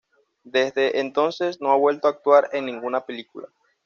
Desde entonces no ha vuelto a actuar en ninguna película.